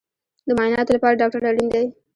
د معایناتو لپاره ډاکټر اړین دی